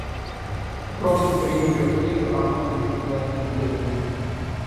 Вронский пренебрег ею, а она пренебрегла им, Левиным.